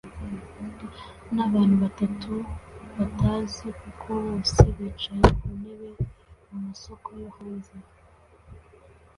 nabantu batatu batazi kuko bose bicaye kuntebe mumasoko yo hanze.